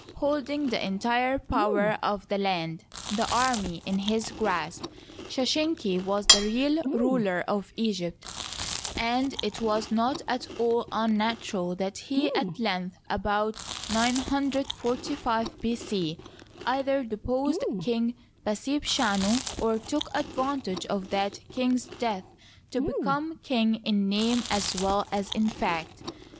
Holding the entire power of the land, the army, in his grasp, Sheshenq was the real ruler of Egypt, and it was not at all unnatural that he at length, about 945 B. C, either deposed King Pasebchanu or took advantage of that king's death to become king in name as well as in fact.